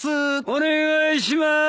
お願いします。